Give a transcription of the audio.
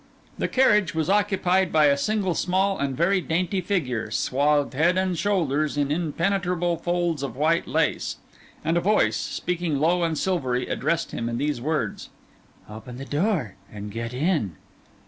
The carriage was occupied by a single small and very dainty figure, swathed head and shoulders in impenetrable folds of white lace; and a voice, speaking low and silvery, addressed him in these words— 'Open the door and get in.